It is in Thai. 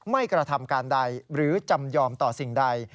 กระทำการใดหรือจำยอมต่อสิ่งใด